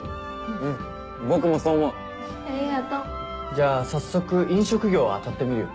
じゃあ早速飲食業を当たってみるよ。